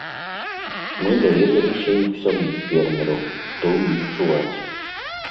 Мы даведаліся і ў саміх фермераў, што ў іх чуваць.